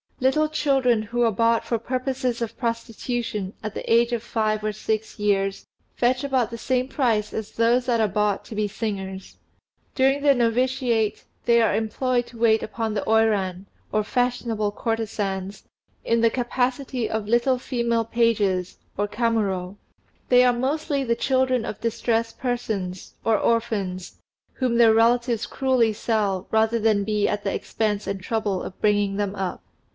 Little children who are bought for purposes of prostitution at the age of five or six years fetch about the same price as those that are bought to be singers. During their novitiate they are employed to wait upon the Oiran, or fashionable courtesans, in the capacity of little female pages (Kamuro). They are mostly the children of distressed persons, or orphans, whom their relatives cruelly sell rather than be at the expense and trouble of bringing them up.